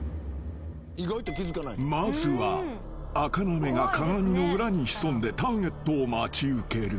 ［まずはあかなめが鏡の裏に潜んでターゲットを待ち受ける］